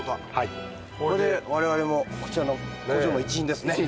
これで我々もこちらの工場の一員ですね。